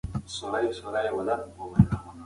هغه خپل مخ پټکي سره پاکاوه.